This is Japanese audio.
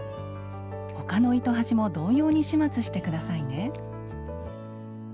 他の糸端も同様に始末してくださいね。